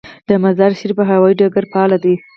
د مزار شریف هوايي ډګر فعال دی